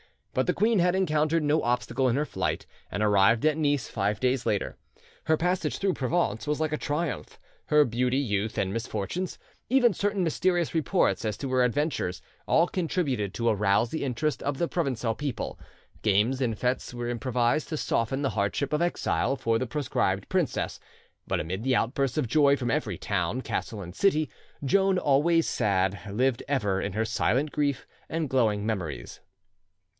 But the queen had encountered no obstacle in her flight, and arrived at Nice five days later. Her passage through Provence was like a triumph. Her beauty, youth, and misfortunes, even certain mysterious reports as to her adventures, all contributed to arouse the interest of the Provencal people. Games and fetes were improvised to soften the hardship of exile for the proscribed princess; but amid the outbursts of joy from every town, castle, and city, Joan, always sad, lived ever in her silent grief and glowing memories.